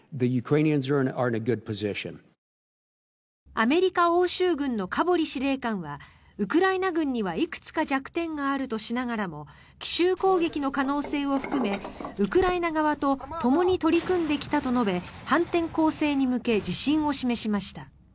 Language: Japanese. アメリカ欧州軍のカボリ司令官はウクライナ軍にはいくつか弱点があるとしながらも奇襲攻撃の可能性を含めウクライナ側とともに取り組んできたと述べ反転攻勢に向け自信を示しました。